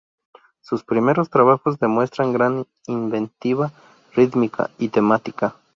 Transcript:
Sus primeros trabajos demuestran gran inventiva rítmica y temática.